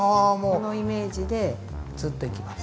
このイメージでずっといきます。